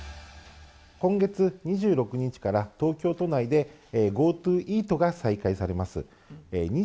今月２６日から、東京都内でＧｏＴｏイートが再開されます。